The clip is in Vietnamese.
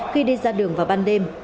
khi đi ra đường vào ban đêm